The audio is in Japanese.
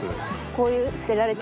こういう。